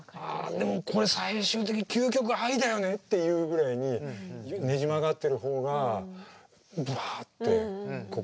あでもこれ最終的に究極愛だよねっていうぐらいにねじ曲がってる方がぶわって心に突き刺さるって感覚はある。